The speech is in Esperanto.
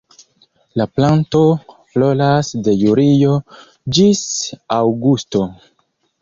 La planto floras de julio ĝis aŭgusto.